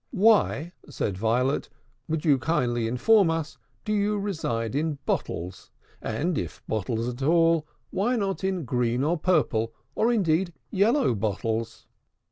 "Why," said Violet, "would you kindly inform us, do you reside in bottles; and, if in bottles at all, why not, rather, in green or purple, or, indeed, in yellow bottles?"